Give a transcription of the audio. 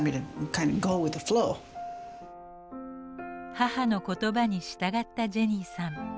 母の言葉に従ったジェニーさん。